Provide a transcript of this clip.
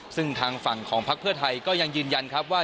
ซึ่งทางฝั่งของพักเพื่อไทยก็ยังยืนยันครับว่า